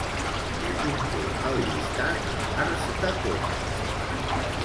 Què conté el llistat "bars de copes"?